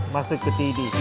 masuk ke t diq